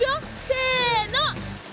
せの。